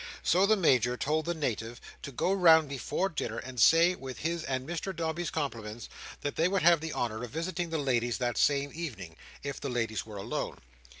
So the Major told the Native to go round before dinner, and say, with his and Mr Dombey's compliments, that they would have the honour of visiting the ladies that same evening, if the ladies were alone.